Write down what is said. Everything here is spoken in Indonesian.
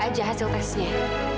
aja hasil tesnya